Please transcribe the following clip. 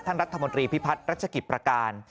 ท่านรัฐมนตรีพิพัฒน์รัชกิจประการ